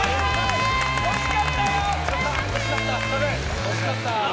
惜しかったよ。